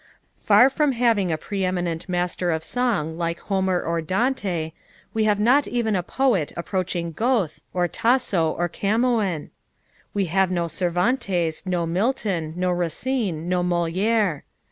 Far from having a preëminent master of song like Homer or Dante, we have not even a poet approaching Goethe or Tasso or Camoens. We have no Cervantes, no Milton, no Racine, no Molière.